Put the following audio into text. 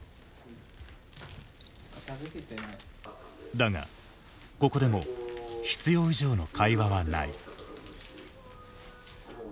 だがここでも必要以上の会話はない。